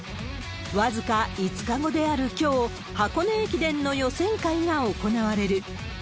僅か５日後であるきょう、箱根駅伝の予選会が行われる。